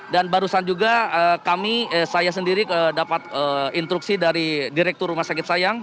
dan barusan juga kami saya sendiri dapat instruksi dari direktur rumah sakit sayang